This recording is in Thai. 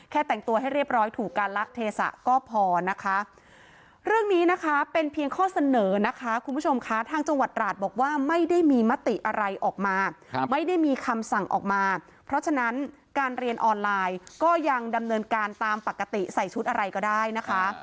แต่งตัวให้เรียบร้อยถูกการลักเทศะก็พอนะคะเรื่องนี้นะคะเป็นเพียงข้อเสนอนะคะคุณผู้ชมคะทางจังหวัดราชบอกว่าไม่ได้มีมติอะไรออกมาไม่ได้มีคำสั่งออกมาเพราะฉะนั้นการเรียนออนไลน์ก็ยังดำเนินการตามปกติใส่ชุดอะไรก็ได้นะคะ